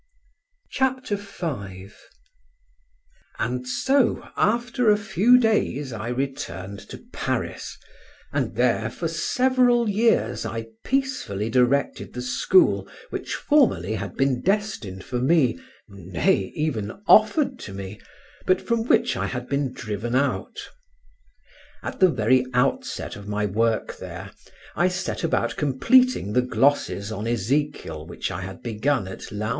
CHAPTER V OF HOW HE RETURNED TO PARIS AND FINISHED THE GLOSSES WHICH HE HAD BEGUN AT LAON And so, after a few days, I returned to Paris, and there for several years I peacefully directed the school which formerly had been destined for me, nay, even offered to me, but from which I had been driven out. At the very outset of my work there, I set about completing the glosses on Ezekiel which I had begun at Laon.